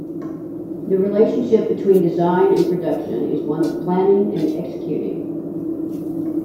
The relationship between design and production is one of planning and executing.